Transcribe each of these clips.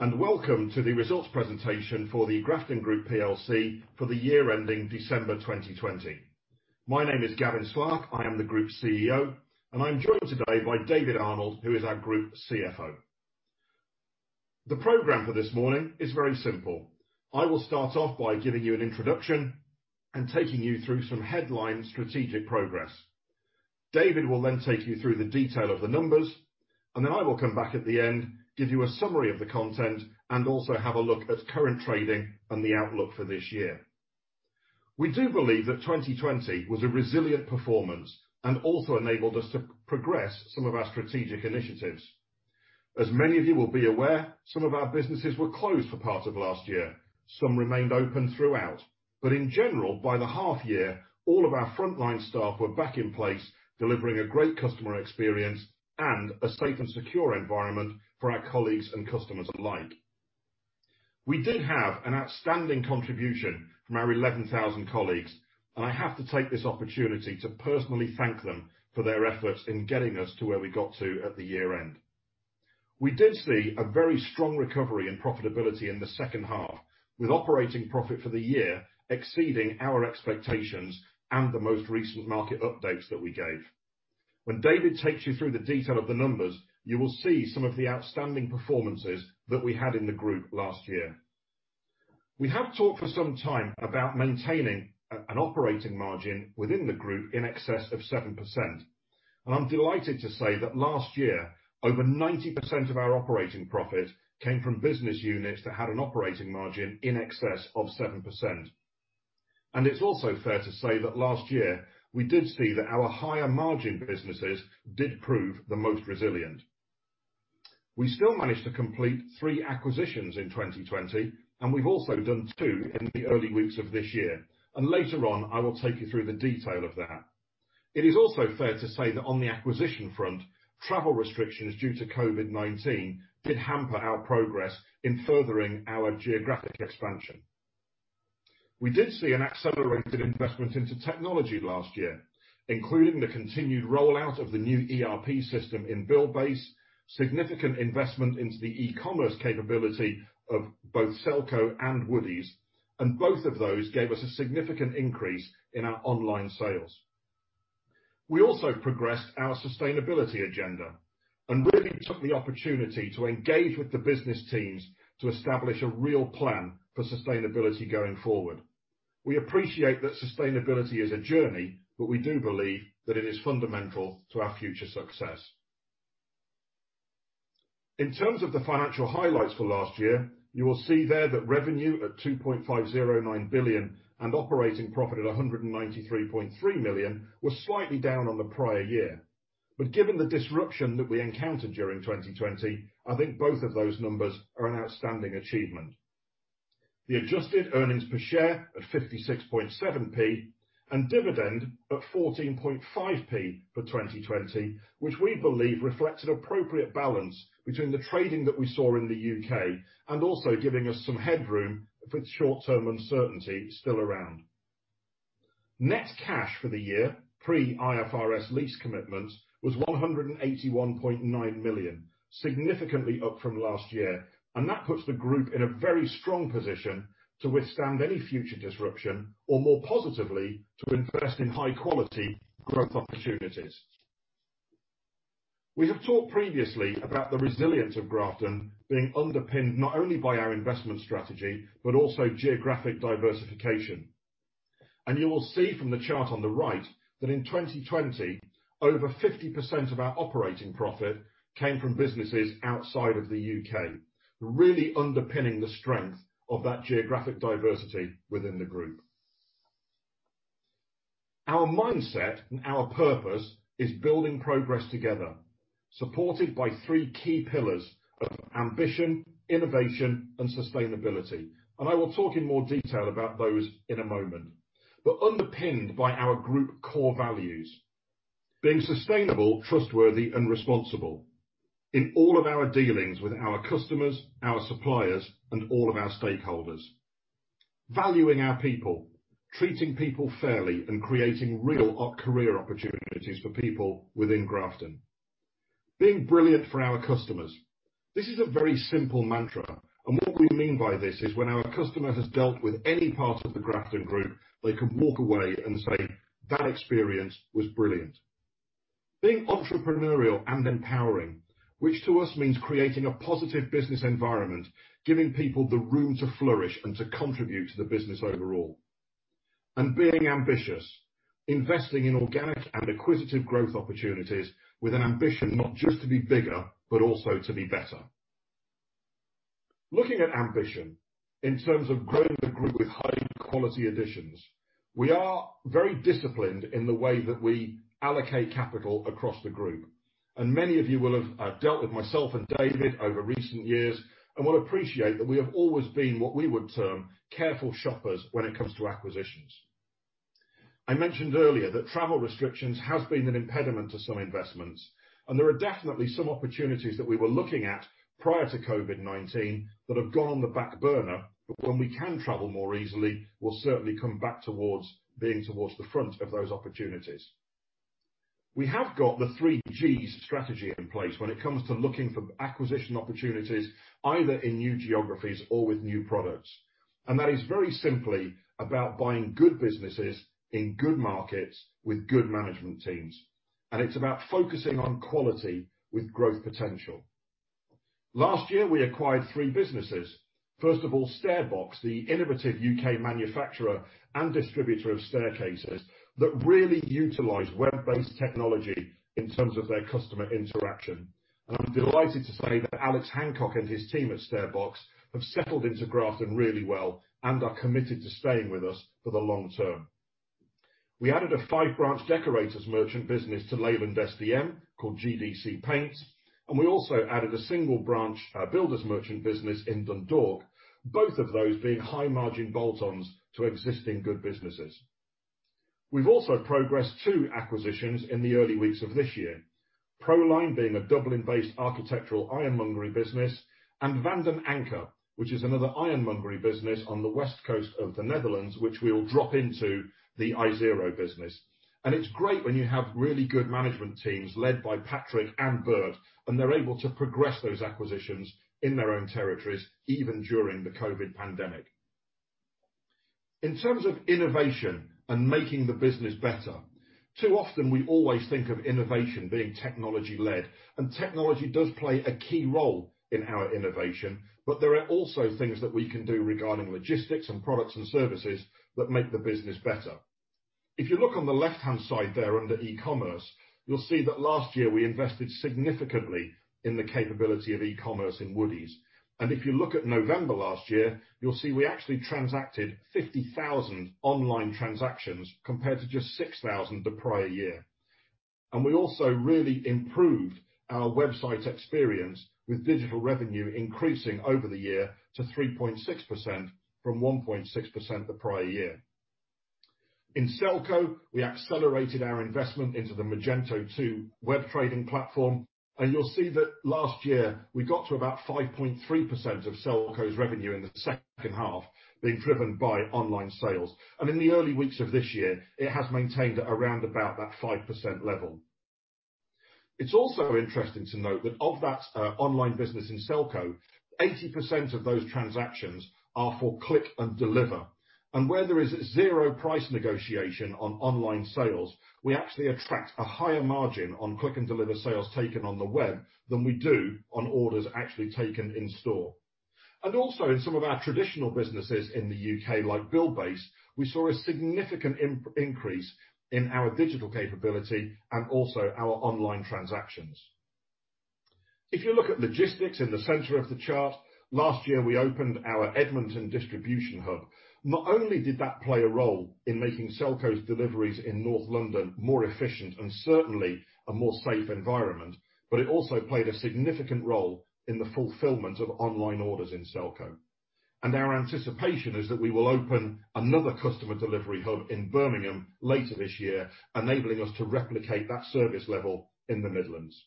Hello, and welcome to the results presentation for the Grafton Group plc for the year ending December 2020. My name is Gavin Slark, I am the Group's CEO, and I'm joined today by David Arnold, who is our Group CFO. The program for this morning is very simple. I will start off by giving you an introduction and taking you through some headline strategic progress. David will then take you through the detail of the numbers, and then I will come back at the end, give you a summary of the content, and also have a look at current trading and the outlook for this year. We do believe that 2020 was a resilient performance and also enabled us to progress some of our strategic initiatives. As many of you will be aware, some of our businesses were closed for part of last year. Some remained open throughout. In general, by the half year, all of our frontline staff were back in place, delivering a great customer experience and a safe and secure environment for our colleagues and customers alike. We did have an outstanding contribution from our 11,000 colleagues. I have to take this opportunity to personally thank them for their efforts in getting us to where we got to at the year-end. We did see a very strong recovery in profitability in the second half, with operating profit for the year exceeding our expectations and the most recent market updates that we gave. When David takes you through the detail of the numbers, you will see some of the outstanding performances that we had in the group last year. We have talked for some time about maintaining an operating margin within the group in excess of 7%, and I'm delighted to say that last year, over 90% of our operating profit came from business units that had an operating margin in excess of 7%. It's also fair to say that last year, we did see that our higher margin businesses did prove the most resilient. We still managed to complete three acquisitions in 2020, and we've also done two in the early weeks of this year. Later on, I will take you through the detail of that. It is also fair to say that on the acquisition front, travel restrictions due to COVID-19 did hamper our progress in furthering our geographic expansion. We did see an accelerated investment into technology last year, including the continued rollout of the new ERP system in Buildbase, significant investment into the e-commerce capability of both Selco and Woodie's, and both of those gave us a significant increase in our online sales. We also progressed our sustainability agenda and really took the opportunity to engage with the business teams to establish a real plan for sustainability going forward. We appreciate that sustainability is a journey, but we do believe that it is fundamental to our future success. In terms of the financial highlights for last year, you will see there that revenue at 2.509 billion and operating profit at 193.3 million was slightly down on the prior year. Given the disruption that we encountered during 2020, I think both of those numbers are an outstanding achievement. The adjusted earnings per share at 0.567 and dividend at 0.145 for 2020, which we believe reflects an appropriate balance between the trading that we saw in the U.K. and also giving us some headroom with short-term uncertainty still around. Net cash for the year, pre IFRS lease commitments, was 181.9 million, significantly up from last year. That puts the group in a very strong position to withstand any future disruption or, more positively, to invest in high-quality growth opportunities. We have talked previously about the resilience of Grafton being underpinned not only by our investment strategy, but also geographic diversification. You will see from the chart on the right that in 2020, over 50% of our operating profit came from businesses outside of the U.K., really underpinning the strength of that geographic diversity within the group. Our mindset and our purpose is building progress together, supported by three key pillars of ambition, innovation, and sustainability. I will talk in more detail about those in a moment. Underpinned by our group core values, being sustainable, trustworthy, and responsible in all of our dealings with our customers, our suppliers, and all of our stakeholders. Valuing our people, treating people fairly, and creating real career opportunities for people within Grafton. Being brilliant for our customers. This is a very simple mantra. What we mean by this is when our customer has dealt with any part of the Grafton Group, they can walk away and say, "That experience was brilliant." Being entrepreneurial and empowering, which to us means creating a positive business environment, giving people the room to flourish and to contribute to the business overall. Being ambitious, investing in organic and acquisitive growth opportunities with an ambition not just to be bigger, but also to be better. Looking at ambition, in terms of growing the Group with high-quality additions, we are very disciplined in the way that we allocate capital across the Group. Many of you will have dealt with myself and David over recent years and will appreciate that we have always been what we would term careful shoppers when it comes to acquisitions. I mentioned earlier that travel restrictions have been an impediment to some investments, and there are definitely some opportunities that we were looking at prior to COVID-19 that have gone on the back burner, but when we can travel more easily, will certainly come back towards being towards the front of those opportunities. We have got the Three Gs Strategy in place when it comes to looking for acquisition opportunities, either in new geographies or with new products. That is very simply about buying good businesses, in good markets, with good management teams. It's about focusing on quality with growth potential. Last year, we acquired three businesses. First of all, StairBox, the innovative U.K. manufacturer and distributor of staircases that really utilize web-based technology in terms of their customer interaction. I'm delighted to say that Alex Hancock and his team at StairBox have settled into Grafton really well and are committed to staying with us for the long term. We added a five-branch decorators merchant business to Leyland SDM called GDC Paints, and we also added a single branch, builders merchant business in Dundalk, both of those being high-margin bolt-ons to existing good businesses. We've also progressed two acquisitions in the early weeks of this year. Proline being a Dublin-based architectural ironmongery business, and Van den Anker, which is another ironmongery business on the west coast of the Netherlands, which we will drop into the Isero business. It's great when you have really good management teams led by Patrick and Bert, and they're able to progress those acquisitions in their own territories, even during the COVID pandemic. In terms of innovation and making the business better, too often we always think of innovation being technology-led, and technology does play a key role in our innovation, but there are also things that we can do regarding logistics and products and services that make the business better. If you look on the left-hand side there under e-commerce, you'll see that last year we invested significantly in the capability of e-commerce in Woodie's. If you look at November last year, you'll see we actually transacted 50,000 online transactions compared to just 6,000 the prior year. We also really improved our website experience with digital revenue increasing over the year to 3.6% from 1.6% the prior year. In Selco, we accelerated our investment into the Magento 2 web trading platform. You'll see that last year we got to about 5.3% of Selco's revenue in the second half being driven by online sales. In the early weeks of this year, it has maintained at around about that 5% level. It's also interesting to note that of that online business in Selco, 80% of those transactions are for click and deliver. Where there is zero price negotiation on online sales, we actually attract a higher margin on click and deliver sales taken on the web than we do on orders actually taken in store. Also in some of our traditional businesses in the U.K., like Buildbase, we saw a significant increase in our digital capability and also our online transactions. If you look at logistics in the center of the chart, last year we opened our Edmonton distribution hub. Not only did that play a role in making Selco's deliveries in North London more efficient and certainly a more safe environment, but it also played a significant role in the fulfillment of online orders in Selco. Our anticipation is that we will open another customer delivery hub in Birmingham later this year, enabling us to replicate that service level in the Midlands.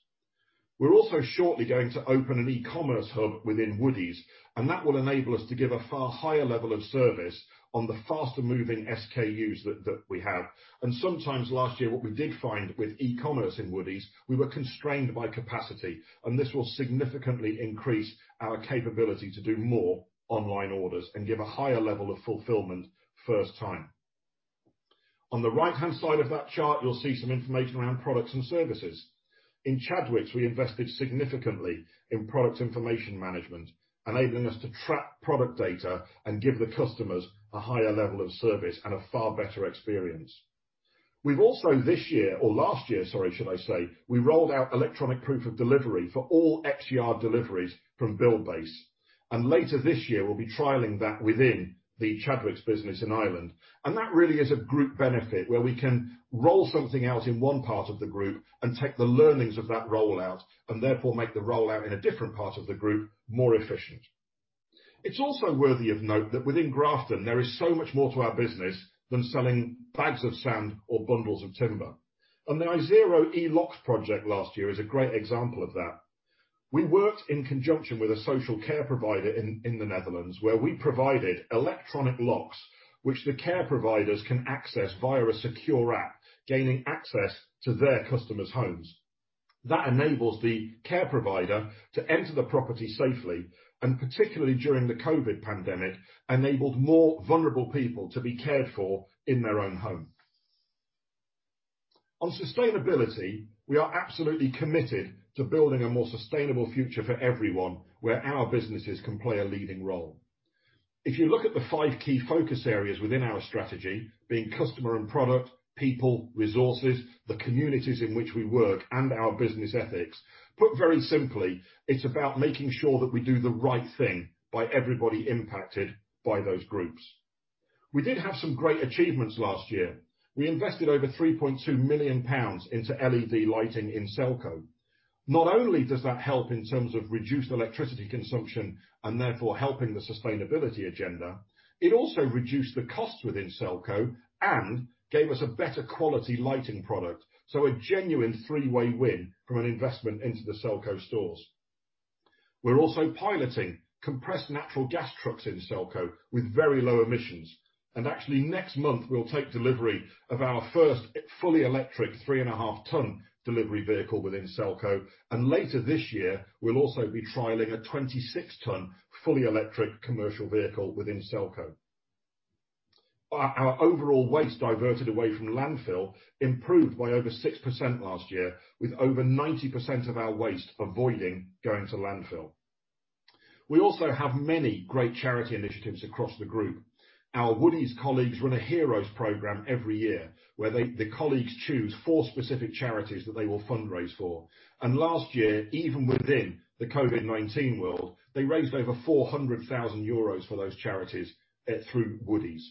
We're also shortly going to open an e-commerce hub within Woodie's, and that will enable us to give a far higher level of service on the faster moving SKUs that we have. Sometimes last year, what we did find with e-commerce in Woodie's, we were constrained by capacity, and this will significantly increase our capability to do more online orders and give a higher level of fulfillment first time. On the right-hand side of that chart, you'll see some information around products and services. In Chadwicks, we invested significantly in product information management, enabling us to track product data and give the customers a higher level of service and a far better experience. We've also this year or last year, sorry, should I say, we rolled out electronic proof of delivery for all ex-yard deliveries from Buildbase. Later this year, we'll be trialing that within the Chadwicks business in Ireland. That really is a group benefit where we can roll something out in one part of the group and take the learnings of that rollout and therefore make the rollout in a different part of the group more efficient. It's also worthy of note that within Grafton, there is so much more to our business than selling bags of sand or bundles of timber. The Isero e-locks project last year is a great example of that. We worked in conjunction with a social care provider in the Netherlands, where we provided electronic locks, which the care providers can access via a secure app, gaining access to their customers' homes. That enables the care provider to enter the property safely, and particularly during the COVID pandemic, enabled more vulnerable people to be cared for in their own home. On sustainability, we are absolutely committed to building a more sustainable future for everyone where our businesses can play a leading role. If you look at the five key focus areas within our strategy, being customer and product, people, resources, the communities in which we work, and our business ethics. Put very simply, it's about making sure that we do the right thing by everybody impacted by those groups. We did have some great achievements last year. We invested over 3.2 million pounds into LED lighting in Selco. Not only does that help in terms of reduced electricity consumption and therefore helping the sustainability agenda, it also reduced the costs within Selco and gave us a better quality lighting product. A genuine three-way win from an investment into the Selco stores. We're also piloting compressed natural gas trucks in Selco with very low emissions. Actually, next month, we'll take delivery of our first fully electric 3.5 ton delivery vehicle within Selco. Later this year, we'll also be trialing a 26-ton fully electric commercial vehicle within Selco. Our overall waste diverted away from landfill improved by over 6% last year, with over 90% of our waste avoiding going to landfill. We also have many great charity initiatives across the group. Our Woodie's colleagues run a heroes program every year, where the colleagues choose four specific charities that they will fundraise for. Last year, even within the COVID-19 world, they raised over 400,000 euros for those charities through Woodie's.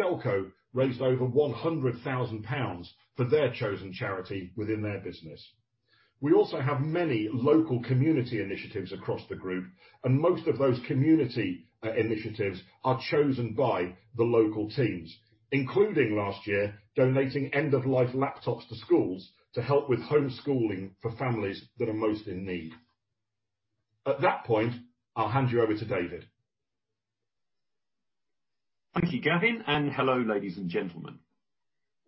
Selco raised over 100,000 pounds for their chosen charity within their business. We also have many local community initiatives across the group. Most of those community initiatives are chosen by the local teams, including last year, donating end-of-life laptops to schools to help with homeschooling for families that are most in need. At that point, I'll hand you over to David. Thank you, Gavin, and hello, ladies and gentlemen.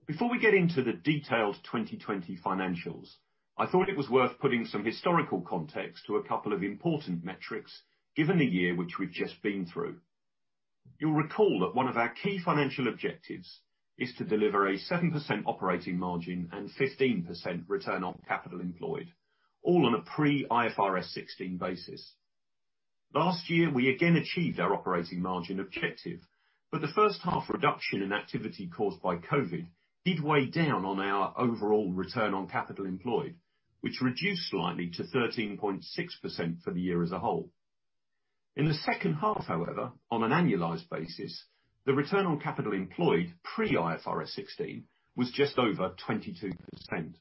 Before we get into the detailed 2020 financials, I thought it was worth putting some historical context to a couple of important metrics given the year which we've just been through. You'll recall that one of our key financial objectives is to deliver a 7% operating margin and 15% return on capital employed, all on a pre-IFRS 16 basis. Last year, we again achieved our operating margin objective, but the first half reduction in activity caused by COVID did weigh down on our overall return on capital employed, which reduced slightly to 13.6% for the year as a whole. In the second half, however, on an annualized basis, the return on capital employed pre-IFRS 16 was just over 22%.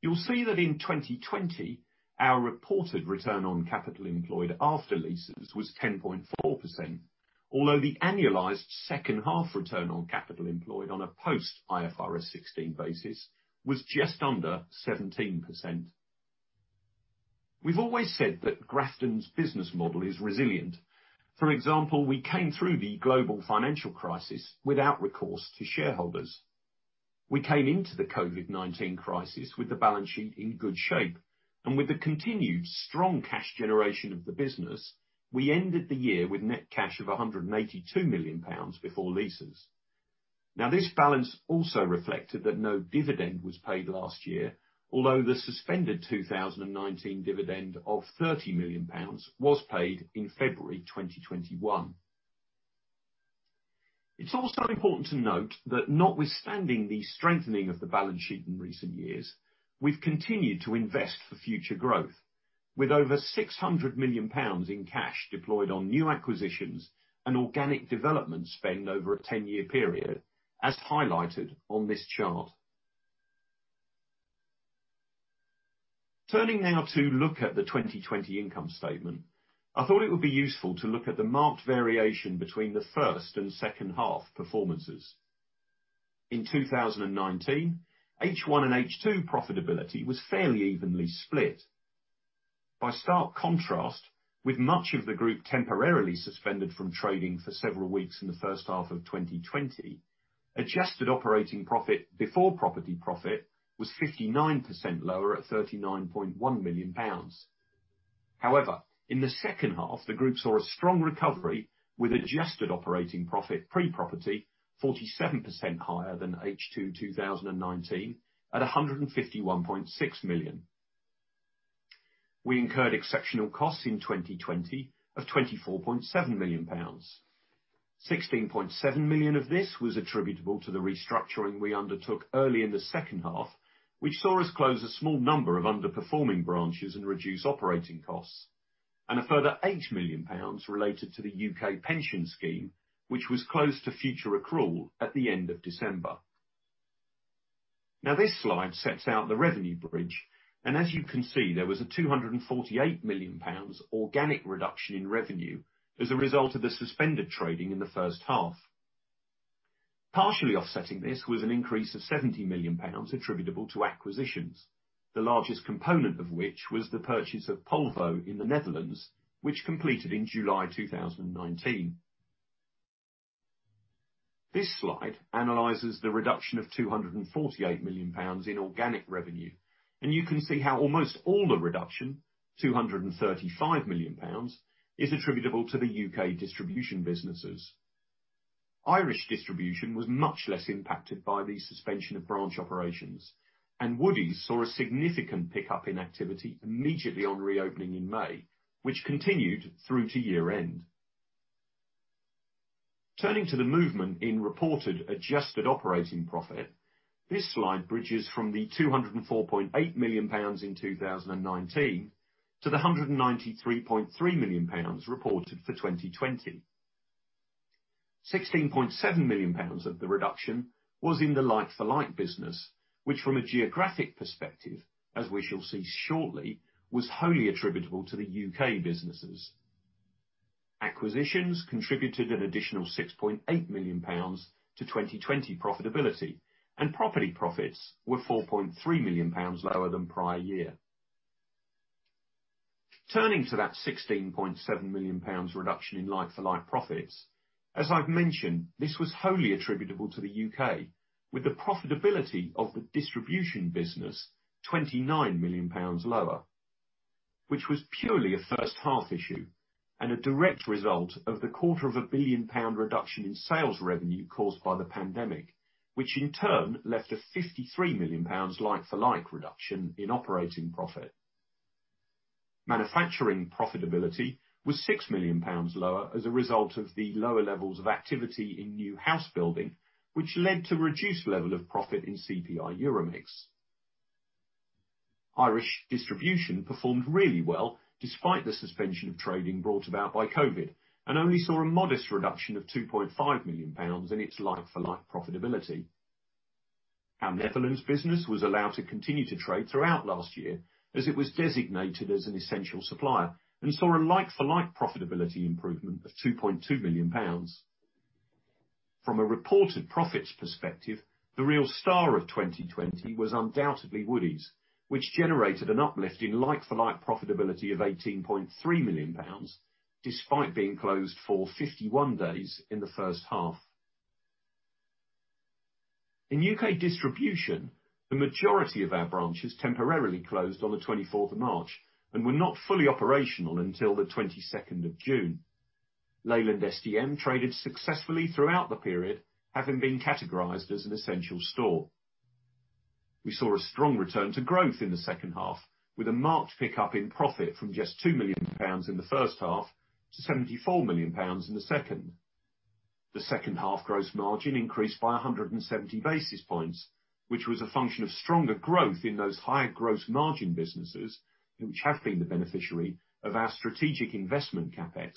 You'll see that in 2020, our reported return on capital employed after leases was 10.4%, although the annualized second half return on capital employed on a post-IFRS 16 basis was just under 17%. We've always said that Grafton's business model is resilient. For example, we came through the global financial crisis without recourse to shareholders. We came into the COVID-19 crisis with the balance sheet in good shape. With the continued strong cash generation of the business, we ended the year with net cash of 182 million pounds before leases. Now, this balance also reflected that no dividend was paid last year, although the suspended 2019 dividend of 30 million pounds was paid in February 2021. It's also important to note that notwithstanding the strengthening of the balance sheet in recent years, we've continued to invest for future growth with over 600 million pounds in cash deployed on new acquisitions and organic development spend over a 10-year period, as highlighted on this chart. Turning now to look at the 2020 income statement, I thought it would be useful to look at the marked variation between the first and second half performances. In 2019, H1 and H2 profitability was fairly evenly split. By stark contrast, with much of the group temporarily suspended from trading for several weeks in the first half of 2020, adjusted operating profit before property profit was 59% lower at 39.1 million pounds. However, in the second half, the group saw a strong recovery with adjusted operating profit pre-property 47% higher than H2 2019 at 151.6 million. We incurred exceptional costs in 2020 of 24.7 million pounds. 16.7 million of this was attributable to the restructuring we undertook early in the second half, which saw us close a small number of underperforming branches and reduce operating costs. A further 8 million pounds related to the U.K. pension scheme, which was closed to future accrual at the end of December. This slide sets out the revenue bridge, and as you can see, there was a 248 million pounds organic reduction in revenue as a result of the suspended trading in the first half. Partially offsetting this was an increase of 17 million pounds attributable to acquisitions, the largest component of which was the purchase of Polvo in the Netherlands, which completed in July 2019. This slide analyzes the reduction of 248 million pounds in organic revenue, and you can see how almost all the reduction, 235 million pounds, is attributable to the U.K. distribution businesses. Irish distribution was much less impacted by the suspension of branch operations, and Woodie's saw a significant pickup in activity immediately on reopening in May, which continued through to year end. Turning to the movement in reported adjusted operating profit, this slide bridges from the 204.8 million pounds in 2019 to the 193.3 million pounds reported for 2020. 16.7 million pounds of the reduction was in the like-for-like business, which from a geographic perspective, as we shall see shortly, was wholly attributable to the U.K. businesses. Acquisitions contributed an additional 6.8 million pounds to 2020 profitability, and property profits were 4.3 million pounds lower than prior year. Turning to that 16.7 million pounds reduction in like-for-like profits, as I've mentioned, this was wholly attributable to the U.K., with the profitability of the distribution business 29 million pounds lower, which was purely a first half issue and a direct result of 250 million pound reduction in sales revenue caused by the pandemic, which in turn left a 53 million pounds like-for-like reduction in operating profit. Manufacturing profitability was 6 million pounds lower as a result of the lower levels of activity in new house building, which led to a reduced level of profit in CPI EuroMix. Irish distribution performed really well, despite the suspension of trade brought about by COVID, and only saw a modest reduction of 2.5 million pounds in its like-for-like profitability. Our Netherlands business was allowed to continue to trade throughout last year as it was designated as an essential supplier and saw a like-for-like profitability improvement of 2.2 million pounds. From a reported profits perspective, the real star of 2020 was undoubtedly Woodie's, which generated an uplift in like-for-like profitability of GBP 18.3 million, despite being closed for 51 days in the first half. In U.K. distribution, the majority of our branches temporarily closed on the 24th of March and were not fully operational until the 22nd of June. Leyland SDM traded successfully throughout the period, having been categorized as an essential store. We saw a strong return to growth in the second half, with a marked pickup in profit from just 2 million pounds in the first half to 74 million pounds in the second. The second half gross margin increased by 170 basis points, which was a function of stronger growth in those higher gross margin businesses which have been the beneficiary of our strategic investment CapEx,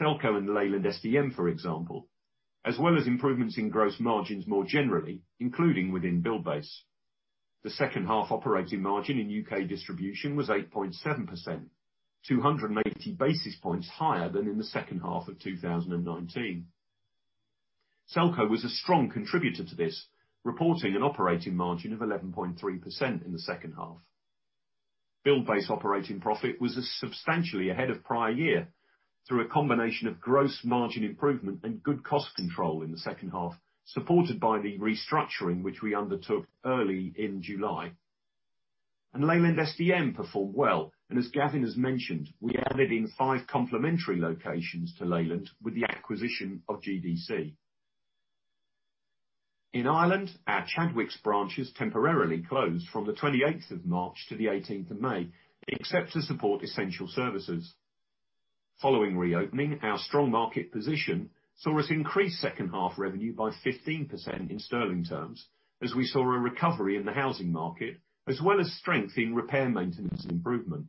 Selco and Leyland SDM, for example, as well as improvements in gross margins more generally, including within Buildbase. The second half operating margin in U.K. distribution was 8.7%, 280 basis points higher than in the second half of 2019. Selco was a strong contributor to this, reporting an operating margin of 11.3% in the second half. Buildbase operating profit was substantially ahead of prior year through a combination of gross margin improvement and good cost control in the second half, supported by the restructuring which we undertook early in July. Leyland SDM performed well, and as Gavin has mentioned, we added in five complementary locations to Leyland with the acquisition of GDC. In Ireland, our Chadwicks branches temporarily closed from the 28th of March to the 18th of May, except to support essential services. Following reopening, our strong market position saw us increase second half revenue by 15% in sterling terms as we saw a recovery in the housing market as well as strength in repair maintenance improvement.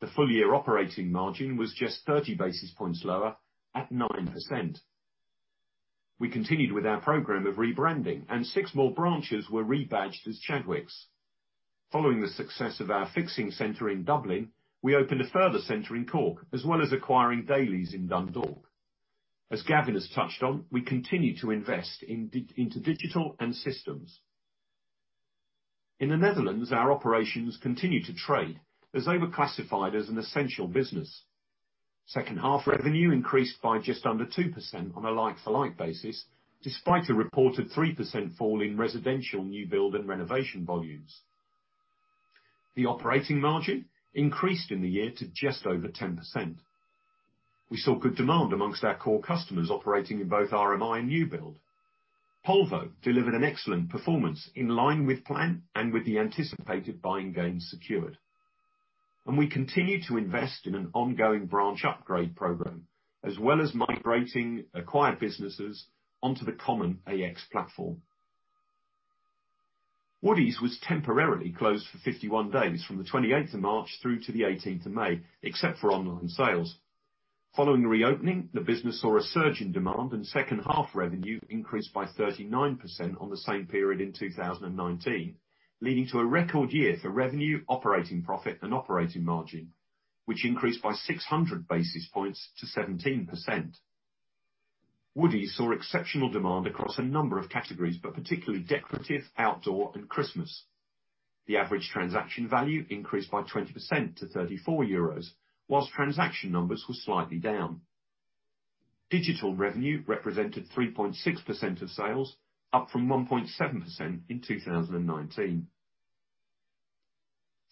The full year operating margin was just 30 basis points lower at 9%. We continued with our program of rebranding and six more branches were rebadged as Chadwicks. Following the success of our fixing center in Dublin, we opened a further center in Cork, as well as acquiring Daly's in Dundalk. As Gavin has touched on, we continue to invest into digital and systems. In the Netherlands, our operations continued to trade as they were classified as an essential business. Second half revenue increased by just under 2% on a like-for-like basis, despite a reported 3% fall in residential new build and renovation volumes. The operating margin increased in the year to just over 10%. We saw good demand amongst our core customers operating in both RMI and new build. Polvo delivered an excellent performance in line with plan and with the anticipated buying gains secured. We continue to invest in an ongoing branch upgrade program, as well as migrating acquired businesses onto the common AX platform. Woodie's was temporarily closed for 51 days from the 28th of March through to the 18th of May, except for online sales. Following reopening, the business saw a surge in demand and second half revenue increased by 39% on the same period in 2019, leading to a record year for revenue, operating profit and operating margin, which increased by 600 basis points to 17%. Woodie's saw exceptional demand across a number of categories, but particularly decorative, outdoor and Christmas. The average transaction value increased by 20% to 34 euros, whilst transaction numbers were slightly down. Digital revenue represented 3.6% of sales, up from 1.7% in 2019.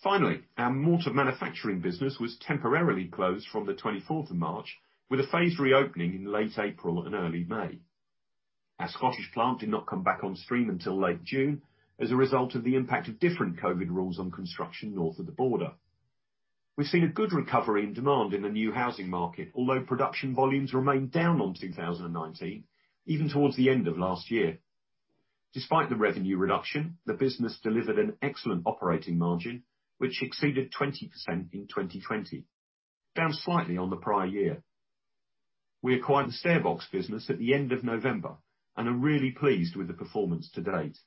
Finally, our mortar manufacturing business was temporarily closed from the 24th of March with a phased reopening in late April and early May. Our Scottish plant did not come back on stream until late June as a result of the impact of different COVID-19 rules on construction north of the border. We've seen a good recovery in demand in the new housing market, although production volumes remain down on 2019, even towards the end of last year. Despite the revenue reduction, the business delivered an excellent operating margin which exceeded 20% in 2020, down slightly on the prior year. We acquired the StairBox business at the end of November and are really pleased with the performance to date.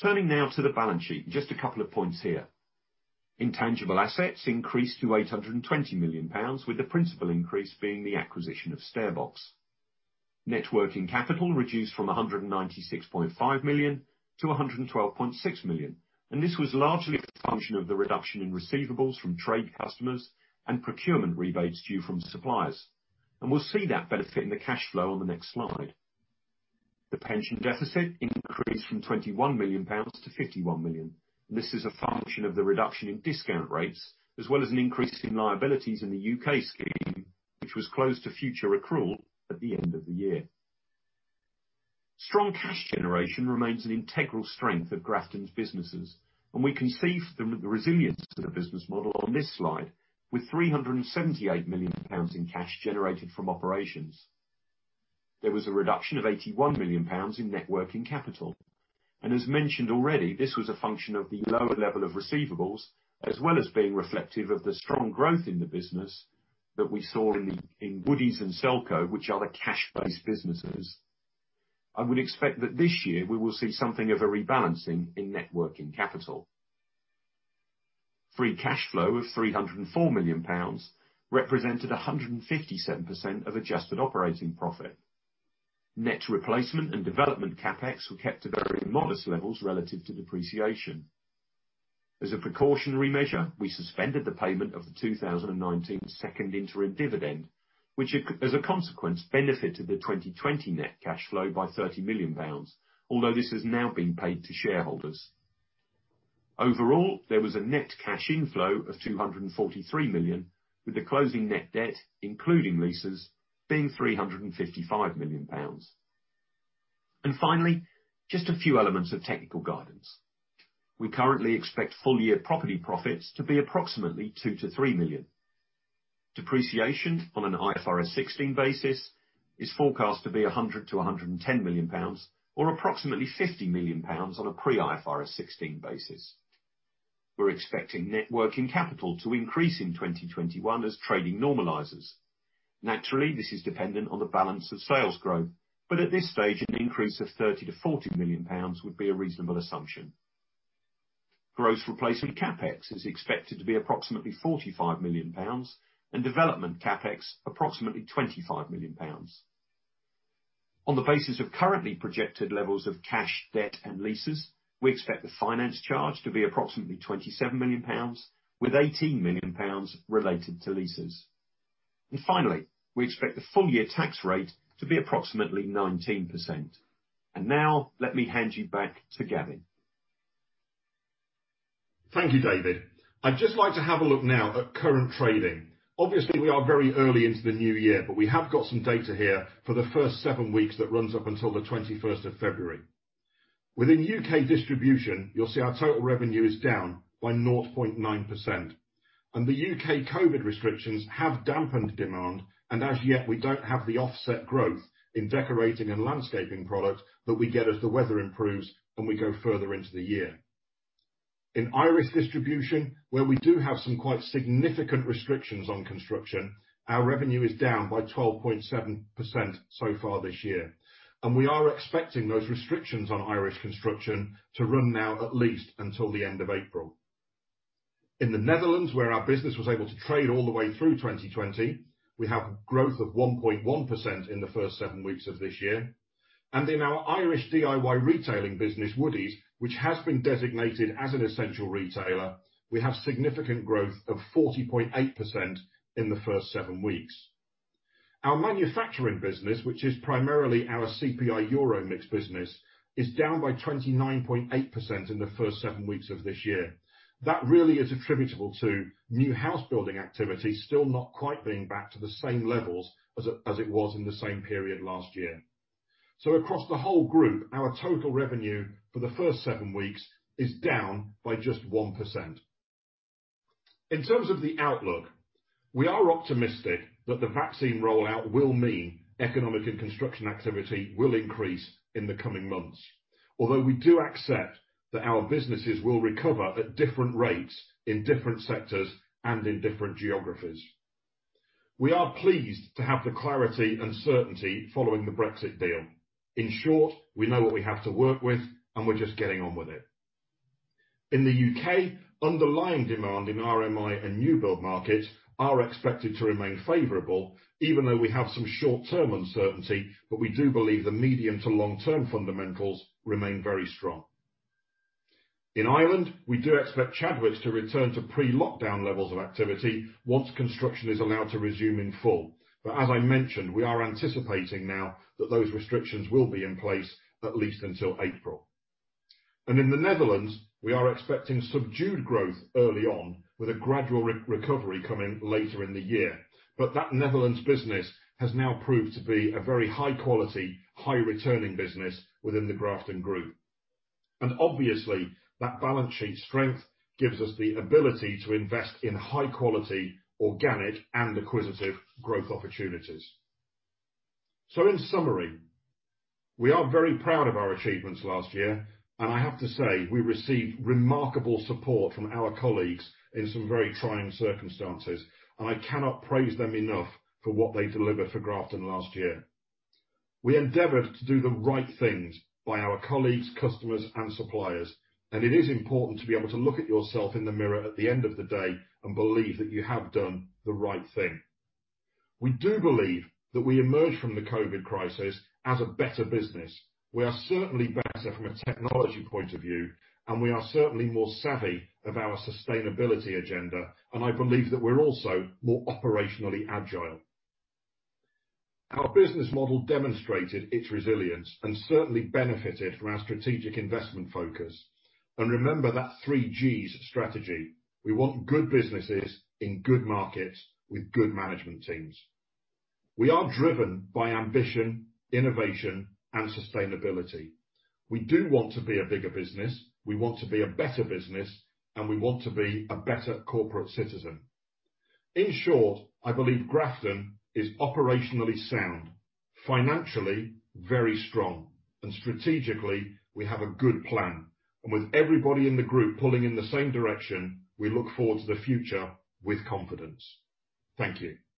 Turning now to the balance sheet, just a couple of points here. Intangible assets increased to 820 million pounds, with the principal increase being the acquisition of StairBox. Net working capital reduced from 196.5 million to 112.6 million. This was largely a function of the reduction in receivables from trade customers and procurement rebates due from suppliers. We'll see that benefit in the cash flow on the next slide. The pension deficit increased from 21 million pounds to 51 million. This is a function of the reduction in discount rates, as well as an increase in liabilities in the U.K. scheme, which was closed to future accrual at the end of the year. Strong cash generation remains an integral strength of Grafton's businesses, and we can see the resilience in the business model on this slide with 378 million pounds in cash generated from operations. There was a reduction of 81 million pounds in net working capital. As mentioned already, this was a function of the lower level of receivables, as well as being reflective of the strong growth in the business that we saw in Woodie's and Selco, which are the cash-based businesses. I would expect that this year we will see something of a rebalancing in net working capital. Free cash flow of 304 million pounds represented 157% of adjusted operating profit. Net replacement and development CapEx were kept to very modest levels relative to depreciation. As a precautionary measure, we suspended the payment of the 2019 second interim dividend, which as a consequence, benefited the 2020 net cash flow by 30 million pounds, although this has now been paid to shareholders. Overall, there was a net cash inflow of 243 million, with the closing net debt, including leases, being 355 million pounds. Finally, just a few elements of technical guidance. We currently expect full-year property profits to be approximately 2 million-3 million. Depreciation on an IFRS 16 basis is forecast to be 100 million-110 million pounds, or approximately 50 million pounds on a pre IFRS 16 basis. We're expecting net working capital to increase in 2021 as trading normalizes. Naturally, this is dependent on the balance of sales growth. At this stage, an increase of 30 million-40 million pounds would be a reasonable assumption. Gross replacement CapEx is expected to be approximately 45 million pounds and development CapEx approximately 25 million pounds. On the basis of currently projected levels of cash, debt, and leases, we expect the finance charge to be approximately 27 million pounds, with 18 million pounds related to leases. Finally, we expect the full-year tax rate to be approximately 19%. Now let me hand you back to Gavin. Thank you, David. I'd just like to have a look now at current trading. Obviously, we are very early into the new year, but we have got some data here for the first seven weeks that runs up until the 21st of February. Within U.K. distribution, you'll see our total revenue is down by 0.9%. The U.K. COVID-19 restrictions have dampened demand, as yet, we don't have the offset growth in decorating and landscaping products that we get as the weather improves and we go further into the year. In Irish distribution, where we do have some quite significant restrictions on construction, our revenue is down by 12.7% so far this year. We are expecting those restrictions on Irish construction to run now at least until the end of April. In the Netherlands, where our business was able to trade all the way through 2020, we have growth of 1.1% in the first seven weeks of this year. In our Irish DIY retailing business, Woodie's, which has been designated as an essential retailer, we have significant growth of 40.8% in the first seven weeks. Our manufacturing business, which is primarily our CPI EuroMix business, is down by 29.8% in the first seven weeks of this year. That really is attributable to new house building activity still not quite being back to the same levels as it was in the same period last year. Across the whole group, our total revenue for the first seven weeks is down by just 1%. In terms of the outlook, we are optimistic that the vaccine rollout will mean economic and construction activity will increase in the coming months. Although we do accept that our businesses will recover at different rates in different sectors and in different geographies. We are pleased to have the clarity and certainty following the Brexit deal. In short, we know what we have to work with and we're just getting on with it. In the U.K., underlying demand in RMI and new build markets are expected to remain favorable, even though we have some short-term uncertainty, but we do believe the medium to long-term fundamentals remain very strong. In Ireland, we do expect Chadwicks to return to pre-lockdown levels of activity once construction is allowed to resume in full. As I mentioned, we are anticipating now that those restrictions will be in place at least until April. In the Netherlands, we are expecting subdued growth early on with a gradual recovery coming later in the year. That Netherlands business has now proved to be a very high quality, high returning business within the Grafton Group. Obviously, that balance sheet strength gives us the ability to invest in high quality, organic and acquisitive growth opportunities. In summary, we are very proud of our achievements last year, and I have to say, we received remarkable support from our colleagues in some very trying circumstances, and I cannot praise them enough for what they delivered for Grafton last year. We endeavored to do the right things by our colleagues, customers and suppliers, and it is important to be able to look at yourself in the mirror at the end of the day and believe that you have done the right thing. We do believe that we emerge from the COVID crisis as a better business. We are certainly better from a technology point of view, and we are certainly more savvy of our sustainability agenda, and I believe that we're also more operationally agile. Our business model demonstrated its resilience and certainly benefited from our strategic investment focus. Remember that Three Gs Strategy. We want good businesses in good markets with good management teams. We are driven by ambition, innovation and sustainability. We do want to be a bigger business, we want to be a better business, and we want to be a better corporate citizen. In short, I believe Grafton is operationally sound, financially very strong, and strategically, we have a good plan. With everybody in the group pulling in the same direction, we look forward to the future with confidence. Thank you